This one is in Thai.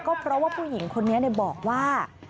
ก็เพราะว่าผู้หญิงคนนี้บอกว่า